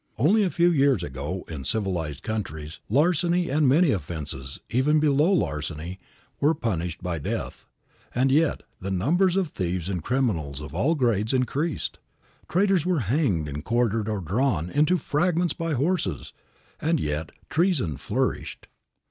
Only a few years ago, in civilized countries, larceny and many offences even below larceny, were punished by death; and yet the number of thieves and criminals of all grades increased. Traitors were hanged and quartered or drawn into fragments by horses; and yet treason flourished.